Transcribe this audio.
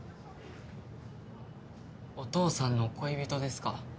お父さんの恋人ですか？